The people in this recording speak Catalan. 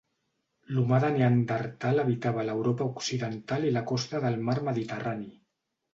L'humà de Neandertal habitava l'Europa occidental i la costa del mar Mediterrani.